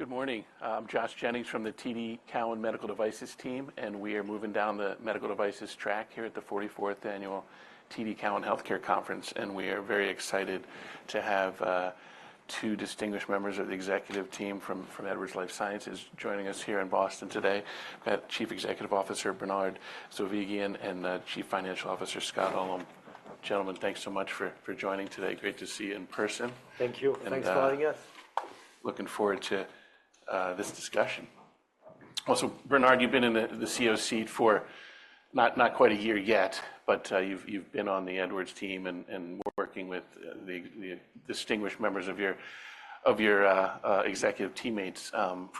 Good morning. I'm Josh Jennings from the TD Cowen Medical Devices team, and we are moving down the medical devices track here at the 44th annual TD Cowen Health Care Conference. We are very excited to have two distinguished members of the executive team from Edwards Lifesciences joining us here in Boston today. We have Chief Executive Officer Bernard Zovighian and Chief Financial Officer Scott Ullem. Gentlemen, thanks so much for joining today. Great to see you in person. Thank you. Thanks- Thanks for having us. Looking forward to this discussion. Also, Bernard, you've been in the CEO seat for not quite a year yet, but you've been on the Edwards team and working with the distinguished members of your executive teammates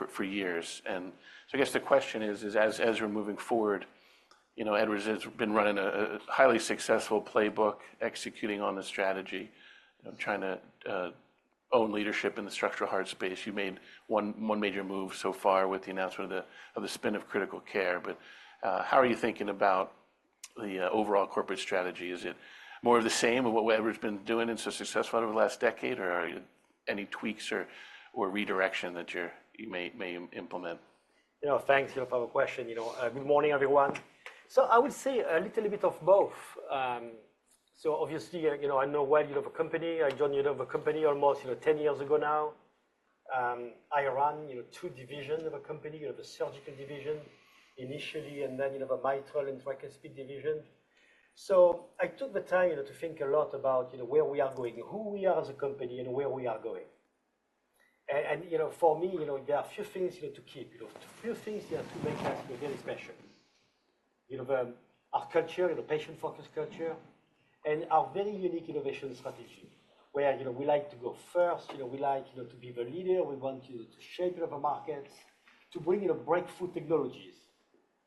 for years. And so I guess the question is, as you're moving forward, you know, Edwards has been running a highly successful playbook, executing on the strategy of trying to own leadership in the structural heart space. You made one major move so far with the announcement of the spin of Critical Care. But how are you thinking about the overall corporate strategy? Is it more of the same of what Edwards been doing and so successful over the last decade, or are you any tweaks or redirection that you may implement? You know, thanks, you know, for the question, you know. Good morning, everyone. So I would say a little bit of both. So obviously, you know, I know well, you know, the company. I joined, you know, the company almost, you know, 10 years ago now. I run, you know, two divisions of a company, you know, the Surgical division initially, and then, you know, the mitral and tricuspid division. So I took the time, you know, to think a lot about, you know, where we are going, who we are as a company, and where we are going. And, you know, for me, you know, there are a few things, you know, to keep. There are few things, you know, to make us, you know, very special. You know, our culture, the patient-focused culture, and our very unique innovation strategy, where, you know, we like to go first, you know, we like, you know, to be the leader, we want to shape, you know, the markets, to bring in a breakthrough technologies,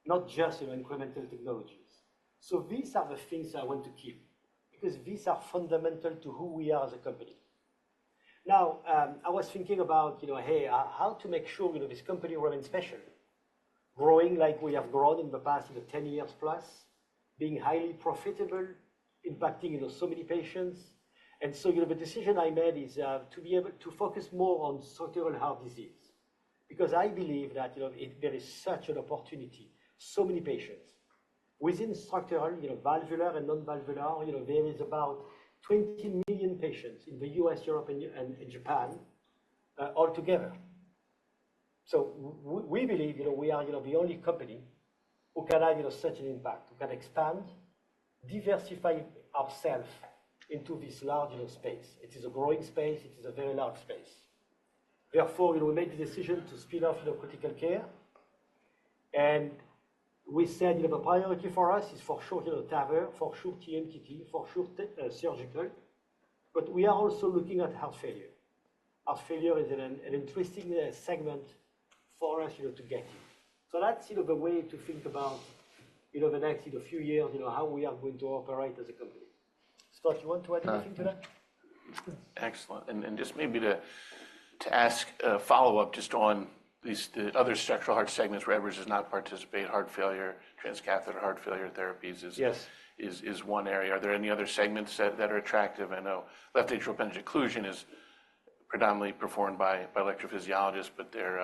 not just, you know, incremental technologies. So these are the things I want to keep because these are fundamental to who we are as a company. Now, I was thinking about, you know, hey, how to make sure, you know, this company remains special, growing like we have grown in the past, you know, 10 years plus, being highly profitable, impacting, you know, so many patients. And so, you know, the decision I made is to be able to focus more on structural heart disease. Because I believe that, you know, there is such an opportunity, so many patients. Within structural, you know, valvular and non-valvular, you know, there is about 20 million patients in the U.S., Europe, and, and in Japan altogether. So we believe, you know, we are, you know, the only company who can have, you know, such an impact, who can expand, diversify ourself into this large, you know, space. It is a growing space; it is a very large space. Therefore, you know, we made the decision to spin off, you know, critical care, and we said, you know, the priority for us is for sure, you know, TAVR, for sure, TMTT, for sure, surgical, but we are also looking at heart failure. Heart failure is an interesting segment for us, you know, to get in. So that's, you know, the way to think about, you know, the next, you know, few years, you know, how we are going to operate as a company. Scott, you want to add anything to that? Excellent. And just maybe to ask a follow-up just on these, the other structural heart segments where Edwards does not participate, heart failure, transcatheter heart failure therapies is- Yes Is one area. Are there any other segments that are attractive? I know left atrial appendage occlusion is predominantly performed by electrophysiologists, but they're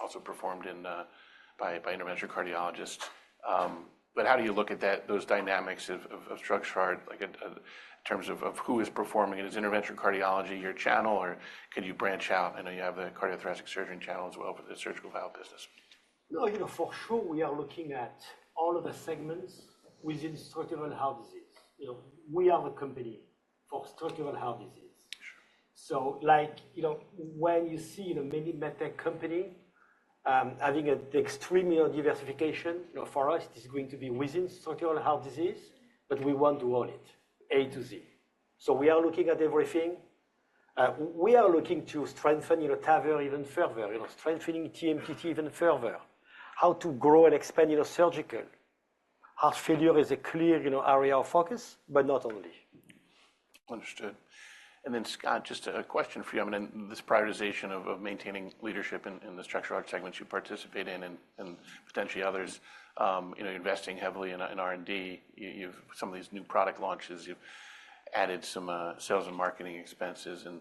also performed by interventional cardiologists. But how do you look at those dynamics of structural heart, like in terms of who is performing it? Is interventional cardiology your channel, or could you branch out? I know you have a cardiothoracic surgeon channel as well for the surgical valve business. No, you know, for sure, we are looking at all of the segments within Structural Heart Disease. You know, we are a company for Structural Heart Disease. Sure. Like, you know, when you see the many medtech companies having an extremely diversification, you know, for us, it is going to be within structural heart disease, but we want to own it, A to Z. So we are looking at everything. We are looking to strengthen, you know, TAVR even further, you know, strengthening TMTT even further, how to grow and expand, you know, surgical. Heart failure is a clear, you know, area of focus, but not only. Understood. And then, Scott, just a question for you. I mean, in this prioritization of, of maintaining leadership in, in the structural heart segments you participate in and, and potentially others, you know, investing heavily in, in R&D, you, you've some of these new product launches, you've added some, sales and marketing expenses, and,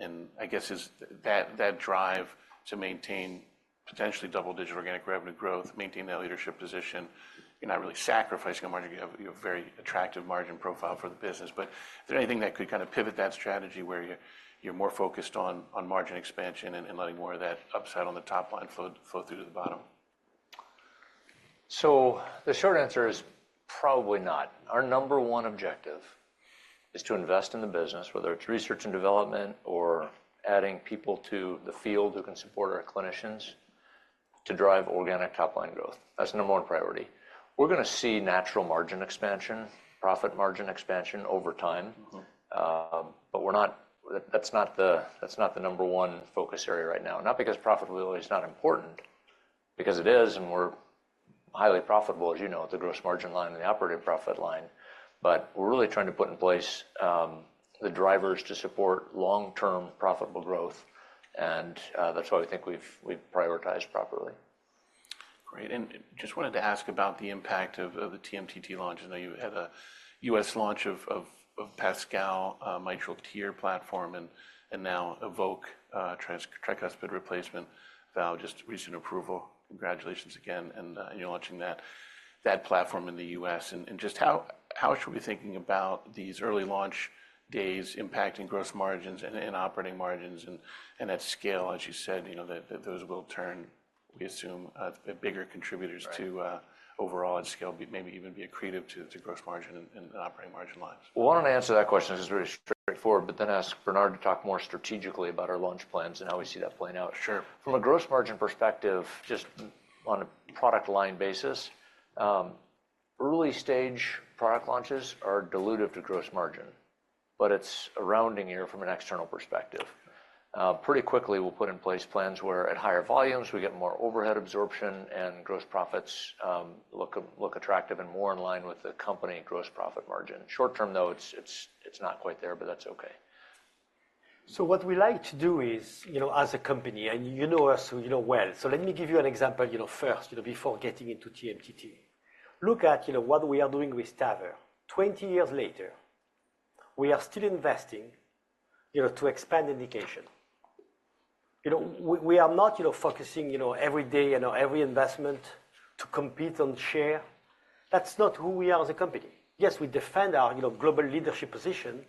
and I guess is that, that drive to maintain potentially double-digit organic revenue growth, maintain that leadership position, you're not really sacrificing on margin. You have, you have very attractive margin profile for the business, but is there anything that could kind of pivot that strategy where you're, you're more focused on, on margin expansion and, and letting more of that upside on the top line flow, flow through to the bottom? The short answer is probably not. Our number one objective is to invest in the business, whether it's research and development or adding people to the field who can support our clinicians to drive organic top-line growth. That's number one priority. We're gonna see natural margin expansion, profit margin expansion over time. Mm-hmm. But we're not. That's not the number one focus area right now, not because profitability is not important, because it is, and we're highly profitable, as you know, at the gross margin line and the operating profit line. But we're really trying to put in place the drivers to support long-term profitable growth, and that's why I think we've prioritized properly. Great. And just wanted to ask about the impact of the TMTT launch. I know you had a US launch of PASCAL, mitral repair platform, and now EVOQUE, transcatheter tricuspid replacement valve, just recent approval. Congratulations again, and you're launching that platform in the U.S. And just how should we be thinking about these early launch days impacting gross margins and operating margins and at scale, as you said, you know, that those will turn, we assume, bigger contributors- Right. To overall at scale, maybe even be accretive to gross margin and operating margin lines. Well, why don't I answer that question, which is very straightforward, but then ask Bernard to talk more strategically about our launch plans and how we see that playing out? Sure. From a gross margin perspective, just on a product line basis, early-stage product launches are dilutive to gross margin, but it's a rounding error from an external perspective. Pretty quickly, we'll put in place plans where at higher volumes, we get more overhead absorption and gross profits look attractive and more in line with the company gross profit margin. Short term, though, it's not quite there, but that's okay. So what we like to do is, you know, as a company, and you know us, you know well. So let me give you an example, you know, first, you know, before getting into TMTT. Look at, you know, what we are doing with TAVR. 20 years later, we are still investing, you know, to expand indication. You know, we, we are not, you know, focusing, you know, every day, you know, every investment to compete on share. That's not who we are as a company. Yes, we defend our, you know, global leadership position,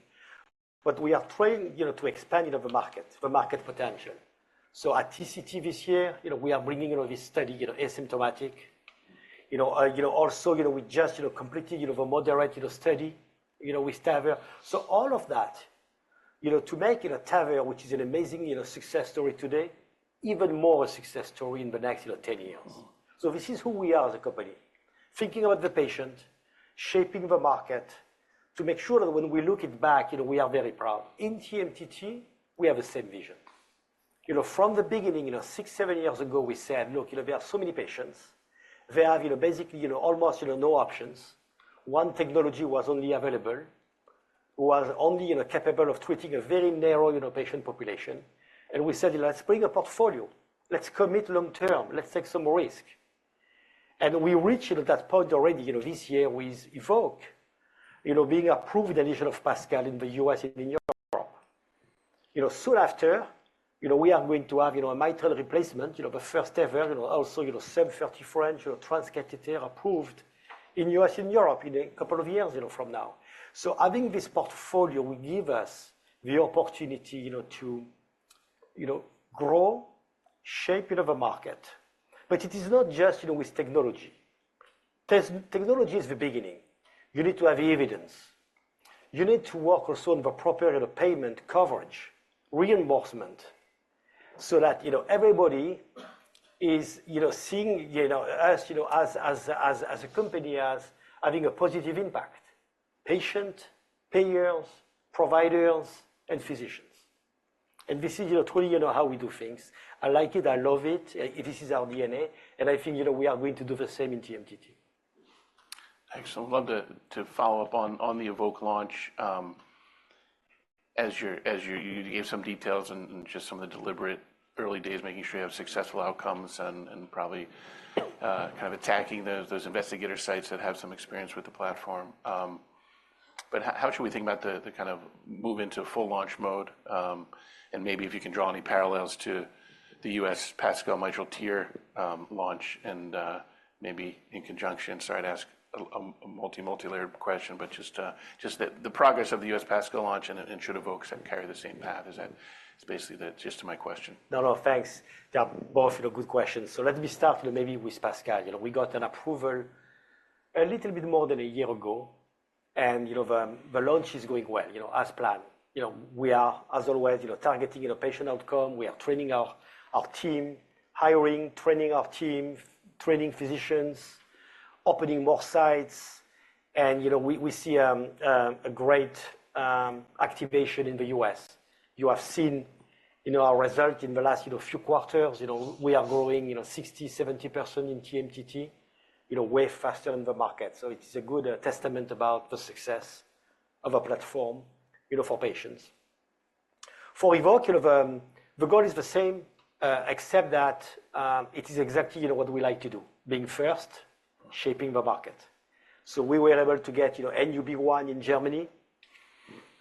but we are trying, you know, to expand, you know, the market, the market potential. So at TCT this year, you know, we are bringing, you know, this study, you know, asymptomatic. You know, you know, we just, you know, completed, you know, the moderate, you know, study, you know, with TAVR. So all of that, you know, to make, you know, TAVR, which is an amazing, you know, success story today, even more a success story in the next, you know, 10 years. Mm-hmm. So this is who we are as a company, thinking about the patient, shaping the market, to make sure that when we look it back, you know, we are very proud. In TMTT, we have the same vision. You know, from the beginning, you know, six, seven years ago, we said, "Look, you know, we have so many patients." They have, you know, basically, you know, almost, you know, no options. One technology was only available, was only, you know, capable of treating a very narrow, you know, patient population. And we said, "Let's bring a portfolio. Let's commit long term. Let's take some risk." And we reached, you know, that point already, you know, this year with EVOQUE, you know, being approved in addition of PASCAL in the U.S. and in Europe. You know, soon after, you know, we are going to have, you know, a mitral replacement, you know, the first ever, you know, also, you know, sub-30 French transcatheter approved in U.S. and Europe in a couple of years, you know, from now. So having this portfolio will give us the opportunity, you know, to, you know, grow, shape, you know, the market. But it is not just, you know, with technology. Technology is the beginning. You need to have evidence. You need to work also on the proper, you know, payment coverage, reimbursement, so that, you know, everybody is, you know, seeing, you know, us, you know, as a company as having a positive impact: patient, payers, providers, and physicians. And this is, you know, truly, you know, how we do things. I like it. I love it. This is our DNA, and I think, you know, we are going to do the same in TMTT. Excellent. I'd love to follow up on the EVOQUE launch. As you gave some details and just some of the deliberate early days, making sure you have successful outcomes and probably kind of attacking those investigator sites that have some experience with the platform. But how should we think about the kind of move into full launch mode? And maybe if you can draw any parallels to the U.S. PASCAL mitral, TEER launch, and maybe in conjunction. Sorry to ask a multilayer question, but just the progress of the U.S. PASCAL launch and should EVOQUE carry the same path? Is that—it's basically that, just to my question. No, no, thanks. They are both, you know, good questions. So let me start maybe with PASCAL. You know, we got an approval a little bit more than a year ago, and, you know, the, the launch is going well, you know, as planned. You know, we are, as always, you know, targeting, you know, patient outcome. We are training our, our team, hiring, training our team, training physicians, opening more sites, and, you know, we, we see a great activation in the U.S. You have seen, you know, our result in the last, you know, few quarters. You know, we are growing, you know, 60%-70% in TMTT, you know, way faster than the market. So it is a good testament about the success of our platform, you know, for patients. For EVOQUE, you know, the goal is the same, except that it is exactly, you know, what we like to do: being first, shaping the market. So we were able to get, you know, NUB 1 in Germany.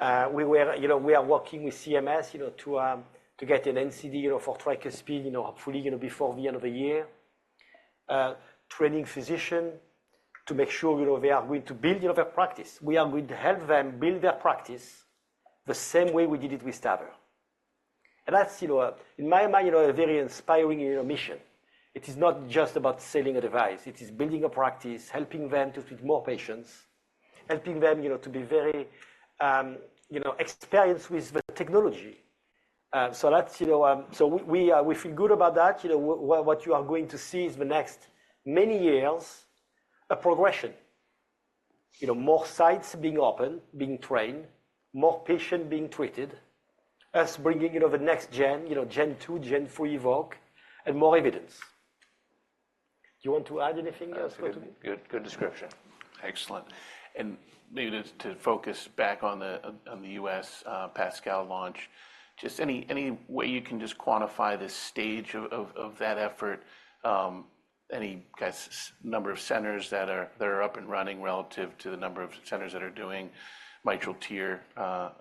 We are working with CMS, you know, to get an NCD, you know, for tricuspid, you know, hopefully, you know, before the end of the year. Training physicians to make sure, you know, we are going to build, you know, their practice. We are going to help them build their practice the same way we did it with TAVR. And that's, you know, in my mind, you know, a very inspiring, you know, mission. It is not just about selling a device. It is building a practice, helping them to treat more patients, helping them, you know, to be very, you know, experienced with the technology. So that's, you know... So we, we feel good about that. You know, what, what you are going to see is the next many years, a progression. You know, more sites being opened, being trained, more patients being treated, us bringing, you know, the next gen, you know, Gen 2, Gen 3 EVOQUE, and more evidence. Do you want to add anything, Scott? Good. Good description. Excellent. And maybe to focus back on the US PASCAL launch, just any way you can quantify the stage of that effort? Any number of centers that are up and running relative to the number of centers that are doing mitral TEER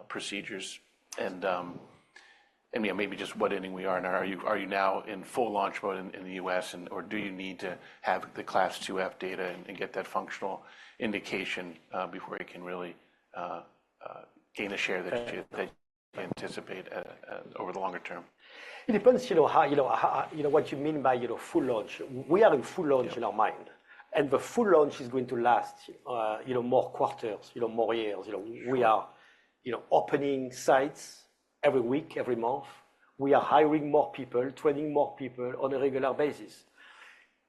procedures. And yeah, maybe just what inning we are in. Are you now in full launch mode in the US, and or do you need to have the CLASP IIF data and get that functional indication before you can really gain a share that you anticipate over the longer term? It depends, you know, how, you know, you know, what you mean by, you know, full launch. We are in full launch- Yeah In our mind, and the full launch is going to last, you know, more quarters, you know, more years. Sure. You know, we are, you know, opening sites every week, every month. We are hiring more people, training more people on a regular basis.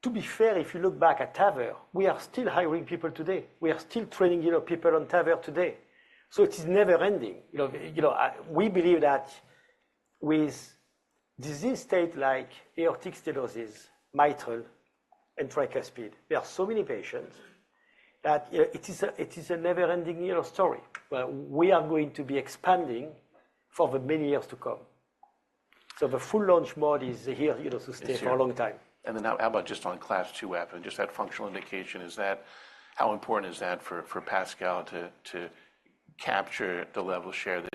To be fair, if you look back at TAVR, we are still hiring people today. We are still training, you know, people on TAVR today. So it is never ending. You know, you know, we believe that with disease state like aortic stenosis, mitral, and tricuspid, there are so many patients that, it is a, it is a never-ending, you know, story. But we are going to be expanding for the many years to come. So the full launch mode is here, you know, to stay... It's here For a long time. And then now, how about just on CLASP IIF and just that functional indication, is that, how important is that for, for PASCAL to, to capture the level share that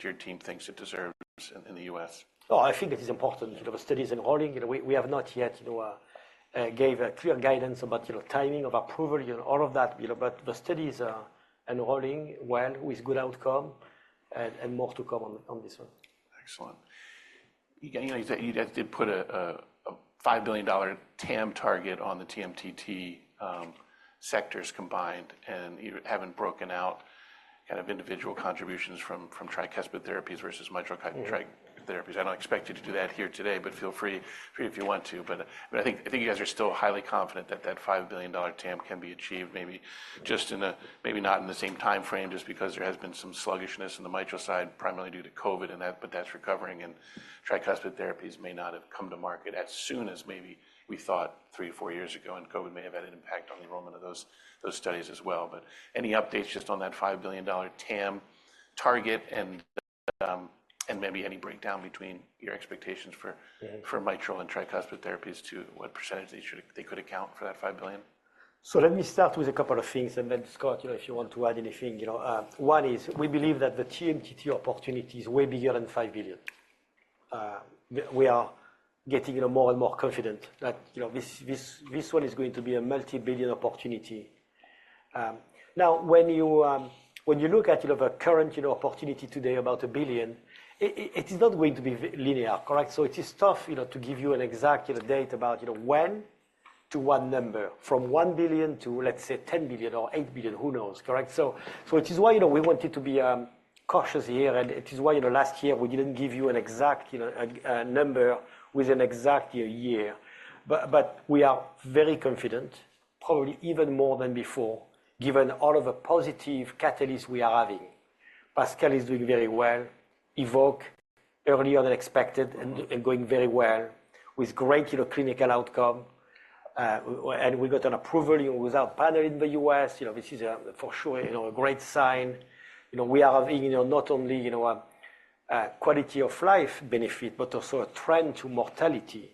your team thinks it deserves in, in the U.S.? Oh, I think it is important. You know, the study is enrolling. You know, we have not yet, you know, gave a clear guidance about, you know, timing of approval, you know, all of that. You know, but the study is enrolling well, with good outcome, and more to come on this one. Excellent. You know, you guys did put a $5 billion TAM target on the TMTT sectors combined, and you haven't broken out kind of individual contributions from tricuspid therapies versus mitral- Mm. Tric therapies. I don't expect you to do that here today, but feel free, free if you want to. But, but I think, I think you guys are still highly confident that that $5 billion TAM can be achieved, maybe just in a, maybe not in the same time frame, just because there has been some sluggishness in the mitral side, primarily due to COVID, and that, but that's recovering, and tricuspid therapies may not have come to market as soon as maybe we thought three or four years ago, and COVID may have had an impact on the enrollment of those, those studies as well. But any updates just on that $5 billion TAM target and, and maybe any breakdown between your expectations for- Mm For mitral and tricuspid therapies to what percentage they could account for that $5 billion? So let me start with a couple of things, and then, Scott, you know, if you want to add anything. You know, one is we believe that the TMTT opportunity is way bigger than $5 billion. We are getting, you know, more and more confident that, you know, this, this, this one is going to be a multi-billion opportunity. Now, when you, when you look at, you know, the current, you know, opportunity today, about $1 billion, it, it, it is not going to be linear, correct? So it is tough, you know, to give you an exact, you know, date about, you know, when to what number. From $1 billion to, let's say, $10 billion or $8 billion, who knows, correct? So, so it is why, you know, we wanted to be cautious here, and it is why, you know, last year, we didn't give you an exact, you know, a number with an exact year. But we are very confident, probably even more than before, given all of the positive catalysts we are having. PASCAL is doing very well. EVOQUE earlier than expected. Mm-hmm Going very well with great, you know, clinical outcome. We got an approval, you know, with our partner in the US. You know, this is, for sure, you know, a great sign. You know, we are having, you know, not only, you know, quality of life benefit, but also a trend to mortality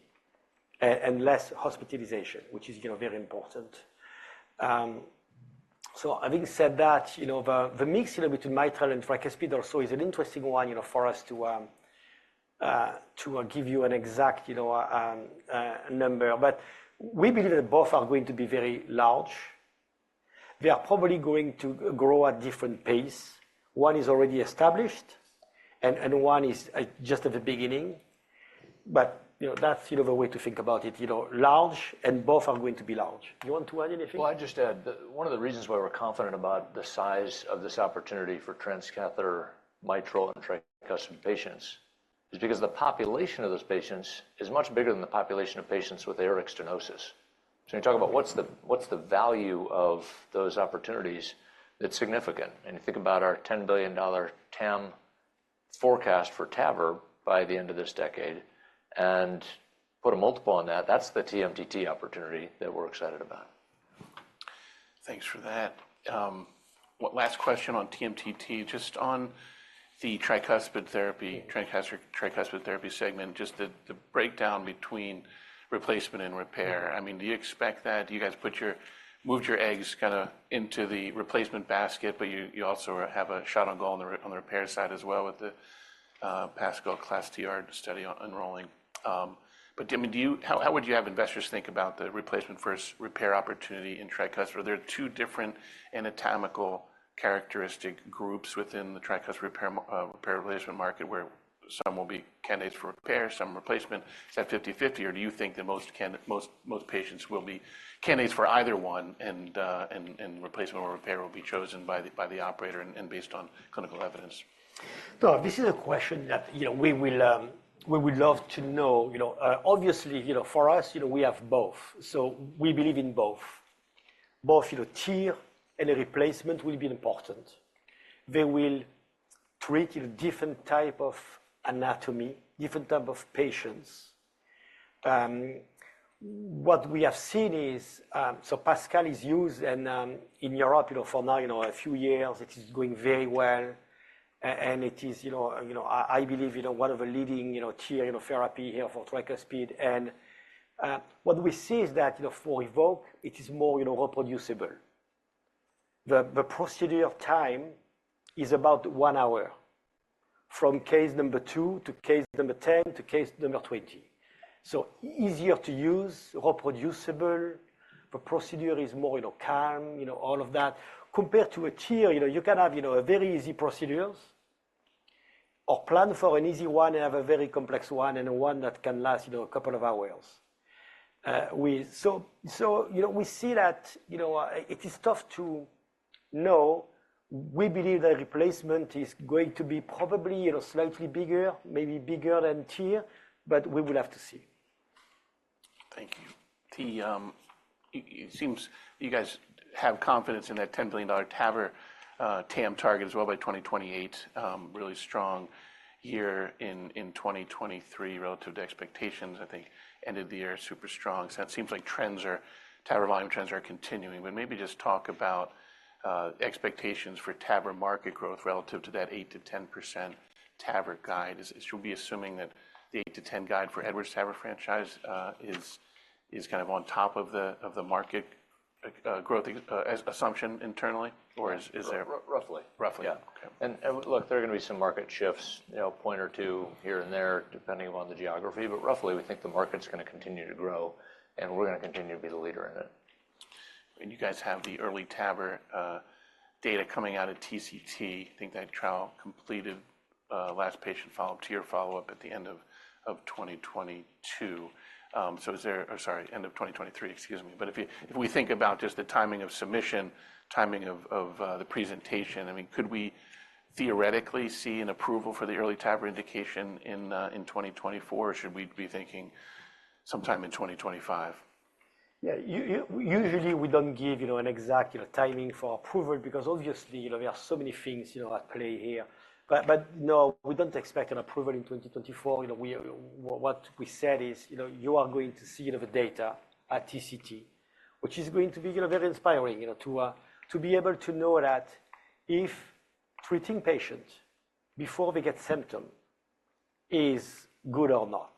and less hospitalization, which is, you know, very important. So having said that, you know, the mix, you know, between mitral and tricuspid also is an interesting one, you know, for us to give you an exact, you know, number. But we believe that both are going to be very large. They are probably going to grow at different pace. One is already established, and one is just at the beginning. But, you know, that's, you know, the way to think about it. You know, large, and both are going to be large. You want to add anything? Well, I'd just add that one of the reasons why we're confident about the size of this opportunity for transcatheter, mitral, and tricuspid patients is because the population of those patients is much bigger than the population of patients with aortic stenosis. Mm-hmm. So you talk about what's the value of those opportunities? It's significant. And you think about our $10 billion TAM forecast for TAVR by the end of this decade and put a multiple on that, that's the TMTT opportunity that we're excited about. Thanks for that. One last question on TMTT. Just on the tricuspid therapy segment, just the breakdown between replacement and repair. I mean, do you expect that? Do you guys put your-moved your eggs kind of into the replacement basket, but you also have a shot on goal on the repair side as well with the PASCAL CLASP TR study enrolling. But I mean, how would you have investors think about the replacement versus repair opportunity in tricuspid? Are there two different anatomical characteristic groups within the tricuspid repair-replacement market, where some will be candidates for repair, some replacement, is that 50/50, or do you think that most patients will be candidates for either one, and replacement or repair will be chosen by the operator and based on clinical evidence? So this is a question that, you know, we will, we would love to know. You know, obviously, you know, for us, you know, we have both, so we believe in both. Both, you know, TR and a replacement will be important. They will treat different type of anatomy, different type of patients. What we have seen is, so PASCAL is used and, in Europe, you know, for now, you know, a few years. It is going very well. And it is, you know, you know, I, I believe, you know, one of the leading, you know, repair therapy here for tricuspid repair. And, what we see is that, you know, for EVOQUE, it is more, you know, reproducible. The, the procedure time is about 1 hour from case number 2 to case number 10 to case number 20. So easier to use, reproducible, the procedure is more, you know, calm, you know, all of that. Compared to a TEER, you know, you can have, you know, a very easy procedures or plan for an easy one and have a very complex one and one that can last, you know, a couple of hours. So, you know, we see that, you know, it is tough to know. We believe that replacement is going to be probably, you know, slightly bigger, maybe bigger than TEER, but we will have to see. Thank you. It seems you guys have confidence in that $10 billion TAVR TAM target as well by 2028. Really strong year in 2023 relative to expectations. I think end of the year, super strong. So it seems like TAVR volume trends are continuing. But maybe just talk about expectations for TAVR market growth relative to that 8%-10% TAVR guide. Should we be assuming that the 8%-10% guide for Edwards TAVR franchise is kind of on top of the market growth as assumption internally, or is there- Roughly. Roughly. Yeah. Okay. And, look, there are going to be some market shifts, you know, point or two here and there, depending upon the geography. But roughly, we think the market's gonna continue to grow, and we're gonna continue to be the leader in it. You guys have the EARLY TAVR data coming out of TCT. I think that trial completed last patient follow-up two-year follow-up at the end of 2023. But if we think about just the timing of submission, timing of the presentation, I mean, could we theoretically see an approval for the EARLY TAVR indication in 2024, or should we be thinking sometime in 2025? Yeah, usually, we don't give, you know, an exact, you know, timing for approval, because obviously, you know, there are so many things, you know, at play here. But no, we don't expect an approval in 2024. You know, we, what we said is, you know, you are going to see the data at TCT, which is going to be, you know, very inspiring, you know, to be able to know that if treating patients before they get symptomatic is good or not.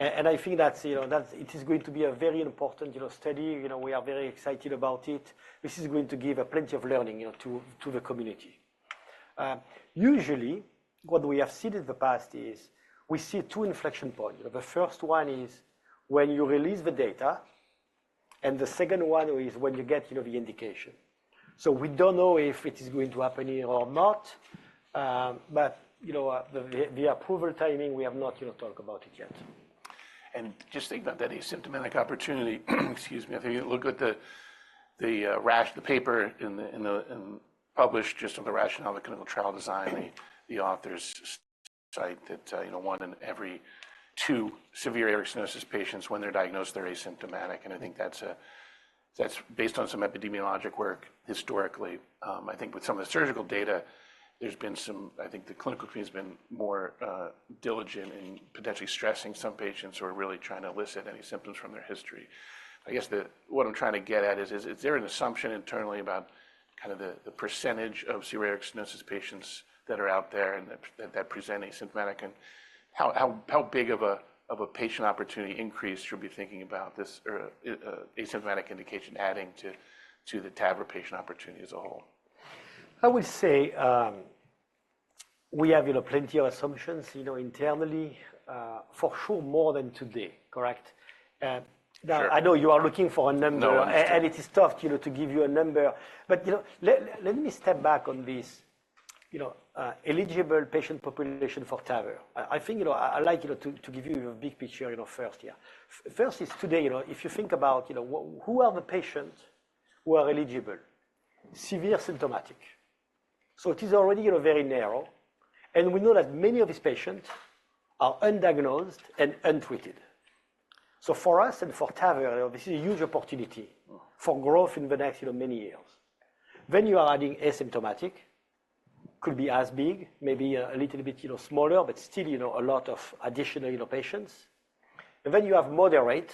And I think that's, you know, that's it is going to be a very important, you know, study. You know, we are very excited about it. This is going to give plenty of learning, you know, to the community. Usually, what we have seen in the past is we see two inflection points. The first one is when you release the data, and the second one is when you get, you know, the indication. So we don't know if it is going to happen or not, but, you know, the approval timing, we have not, you know, talked about it yet. And just think about that asymptomatic opportunity. Excuse me. If you look at the paper published just on the rationale, the clinical trial design, the authors cite that, you know, one in every two severe aortic stenosis patients, when they're diagnosed, they're asymptomatic. And I think that's based on some epidemiologic work historically. I think with some of the surgical data, there's been some. I think the clinical team has been more diligent in potentially stressing some patients who are really trying to elicit any symptoms from their history. I guess what I'm trying to get at is: Is there an assumption internally about kind of the percentage of severe aortic stenosis patients that are out there and that present asymptomatic, and how big of a patient opportunity increase should we be thinking about this asymptomatic indication adding to the TAVR patient opportunity as a whole? I would say, we have, you know, plenty of assumptions, you know, internally, for sure, more than today, correct? Sure. I know you are looking for a number- No- And it is tough, you know, to give you a number. But, you know, let me step back on this, you know, eligible patient population for TAVR. I think, you know, I like, you know, to give you a big picture, you know, first here. First is today, you know, if you think about, you know, who are the patients who are eligible? Severe symptomatic. So it is already, you know, very narrow, and we know that many of these patients are undiagnosed and untreated. So for us and for TAVR, this is a huge opportunity for growth in the next, you know, many years. Then you are adding asymptomatic, could be as big, maybe a little bit, you know, smaller, but still, you know, a lot of additional, you know, patients. And then you have moderate,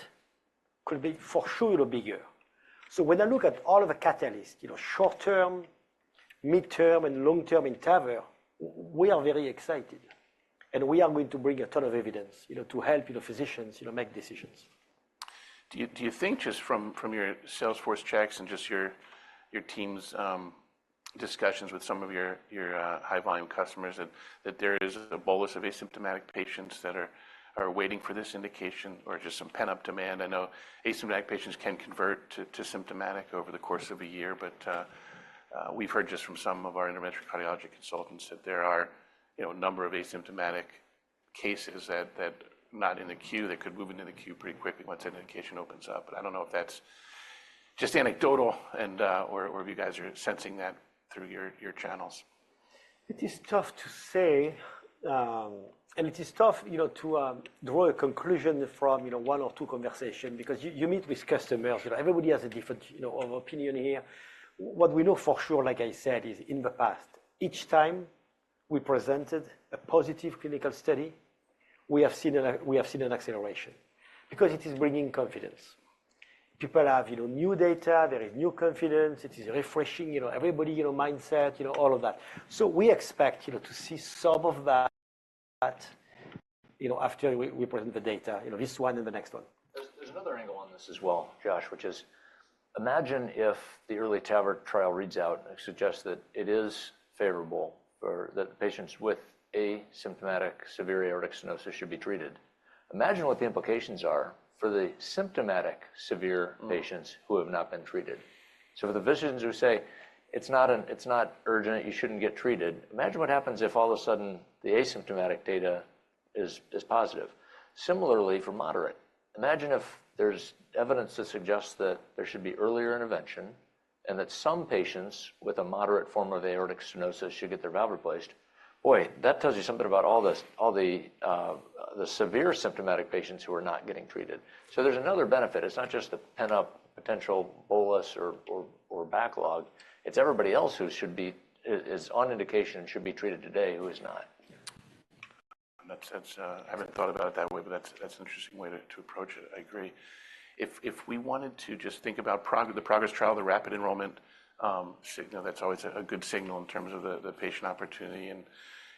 could be for sure, you know, bigger. So when I look at all of the catalysts, you know, short term, midterm, and long-term in TAVR, we are very excited, and we are going to bring a ton of evidence, you know, to help, you know, physicians, you know, make decisions. Do you think just from your sales force checks and just your team's discussions with some of your high-volume customers, that there is a bolus of asymptomatic patients that are waiting for this indication or just some pent-up demand? I know asymptomatic patients can convert to symptomatic over the course of a year, but we've heard just from some of our interventional cardiology consultants that there are, you know, a number of asymptomatic cases that not in the queue, that could move into the queue pretty quickly once an indication opens up. But I don't know if that's just anecdotal and or if you guys are sensing that through your channels. It is tough to say. It is tough, you know, to draw a conclusion from one or two conversation because you meet with customers, you know, everybody has a different, you know, of opinion here. What we know for sure, like I said, is in the past, each time we presented a positive clinical study, we have seen an acceleration because it is bringing confidence. People have, you know, new data, there is new confidence, it is refreshing, you know, everybody, you know, mindset, you know, all of that. So we expect, you know, to see some of that, you know, after we present the data, you know, this one and the next one. There's another angle on this as well, Josh, which is imagine if the EARLY TAVR trial reads out and suggests that it is favorable for the patients with asymptomatic severe aortic stenosis should be treated. Imagine what the implications are for the symptomatic severe patients- Mm. Who have not been treated. So the physicians who say, "It's not an- it's not urgent, you shouldn't get treated," imagine what happens if all of a sudden the asymptomatic data is positive. Similarly, for moderate, imagine if there's evidence that suggests that there should be earlier intervention, and that some patients with a moderate form of aortic stenosis should get their valve replaced. Boy, that tells you something about all this- all the severe symptomatic patients who are not getting treated. So there's another benefit. It's not just the pent-up potential bolus or backlog, it's everybody else who should be- is on indication and should be treated today who is not. In that sense, I haven't thought about it that way, but that's, that's an interesting way to, to approach it. I agree. If, if we wanted to just think about the PROGRESS trial, the rapid enrollment signal, that's always a good signal in terms of the patient opportunity and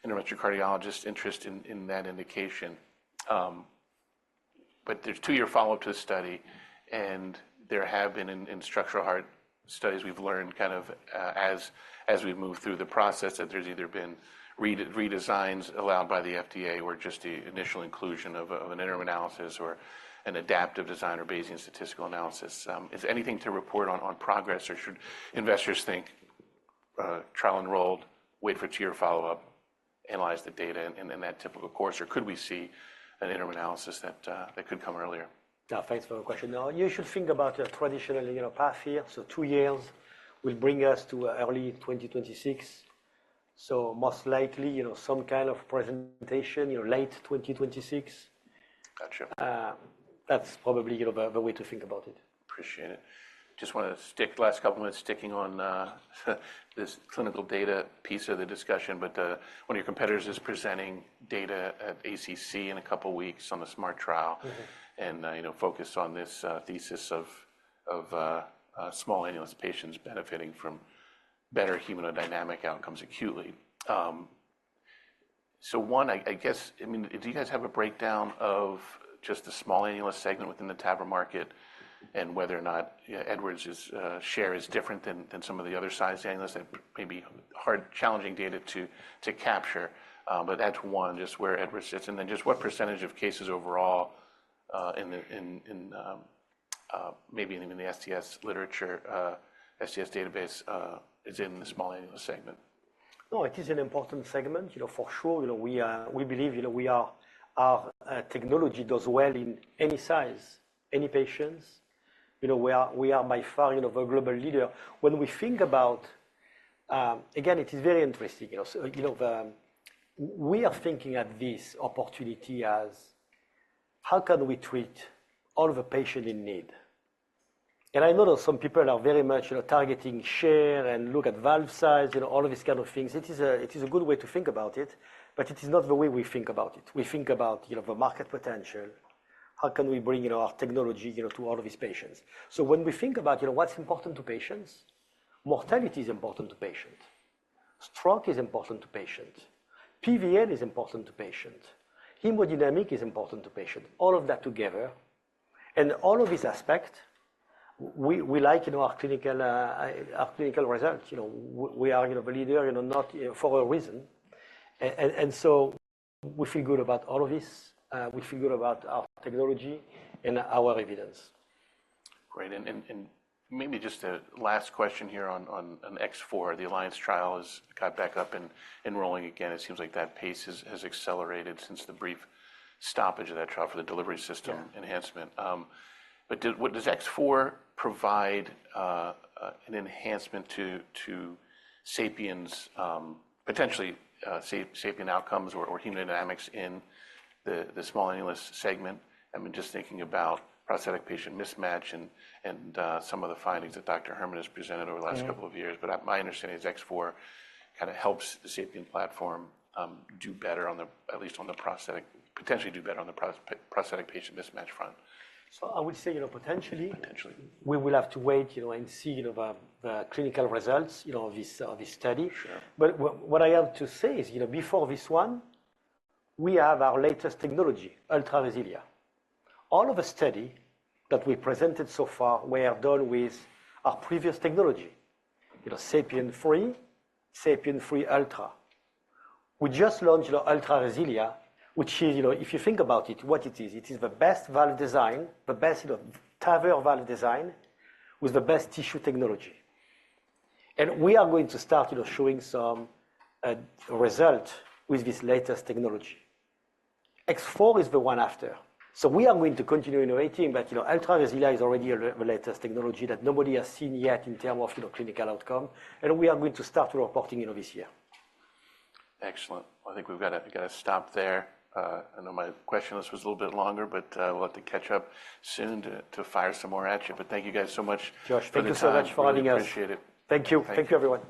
interventional cardiologist interest in that indication. But there's two-year follow-up to the study, and there have been in structural heart studies, we've learned kind of, as we move through the process, that there's either been redesigns allowed by the FDA or just the initial inclusion of an interim analysis or an adaptive design or Bayesian statistical analysis. Is anything to report on PROGRESS, or should investors think trial enrolled, wait for two-year follow-up, analyze the data, and then that typical course, or could we see an interim analysis that could come earlier? Yeah, thanks for the question. Now, you should think about a traditional, you know, path here. So two years will bring us to early 2026. So most likely, you know, some kind of presentation, you know, late 2026. Gotcha. That's probably, you know, the way to think about it. Appreciate it. Just wanna stick last couple minutes, sticking on this clinical data piece of the discussion, but one of your competitors is presenting data at ACC in a couple of weeks on the SMART trial- Mm-hmm. And, you know, focused on this thesis of small annulus patients benefiting from better hemodynamic outcomes acutely. So one, I guess... I mean, do you guys have a breakdown of just the small annulus segment within the TAVR market and whether or not, yeah, Edwards's share is different than some of the other size annulus? That may be hard, challenging data to capture, but that's one, just where Edwards sits, and then just what percentage of cases overall in the, maybe even in the STS literature, STS database, is in the small annulus segment? No, it is an important segment, you know, for sure. You know, we believe our technology does well in any size, any patients. You know, we are by far, you know, the global leader. When we think about... Again, it is very interesting. You know, so we are thinking about this opportunity as how can we treat all the patients in need? And I know that some people are very much, you know, targeting share and look at valve size, you know, all of these kind of things. It is a good way to think about it, but it is not the way we think about it. We think about, you know, the market potential. How can we bring, you know, our technology, you know, to all of these patients? So when we think about, you know, what's important to patients, mortality is important to patient, stroke is important to patient, PPM is important to patient, hemodynamic is important to patient. All of that together and all of this aspect, we, we like, you know, our clinical, our clinical results. You know, we are, you know, a leader, you know, not for a reason. And, and, and so we feel good about all of this. We feel good about our technology and our evidence. Great. And maybe just a last question here on X4. The ALLIANCE trial has got back up and enrolling again. It seems like that pace has accelerated since the brief stoppage of that trial for the delivery system. Yeah Enhancement. But does X4 provide an enhancement to SAPIEN's potentially SAPIEN outcomes or hemodynamics in the small annulus segment? I mean, just thinking about patient-prosthesis mismatch and some of the findings that Dr. Herrmann has presented over the last-couple of years. But my understanding is X4 kinda helps the SAPIEN platform do better on the patient-prosthesis mismatch front, at least potentially. I would say, you know, potentially. Potentially. We will have to wait, you know, and see, you know, the clinical results, you know, of this study. Sure. But what, what I have to say is, you know, before this one, we have our latest technology, Ultra RESILIA. All of the study that we presented so far were done with our previous technology, you know, SAPIEN 3, SAPIEN 3 Ultra. We just launched the Ultra RESILIA, which is, you know, if you think about it, what it is? It is the best valve design, the best, you know, TAVR valve design with the best tissue technology. And we are going to start, you know, showing some result with this latest technology. X4 is the one after. So we are going to continue innovating, but, you know, Ultra RESILIA is already our, the latest technology that nobody has seen yet in term of, you know, clinical outcome, and we are going to start reporting, you know, this year. Excellent. I think we've gotta stop there. I know my question list was a little bit longer, but we'll have to catch up soon to fire some more at you. But thank you guys so much- Josh, thank you so much for having us. Really appreciate it. Thank you. Thank you. Thank you, everyone.